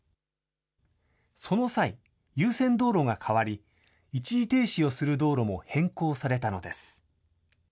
その際、優先道路が変わり、一時停止をする道路も変更されたのです。